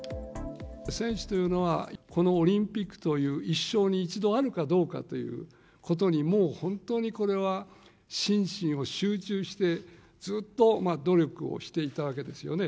選手というのは、このオリンピックという一生に一度あるかどうかということに、もう本当にこれは心身を集中して、ずっと努力をしていたわけですよね。